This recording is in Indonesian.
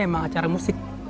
emang acara musik